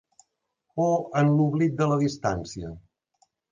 O en l’oblit de la distància?